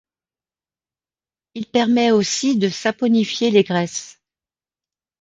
Il permet aussi de saponifier les graisses.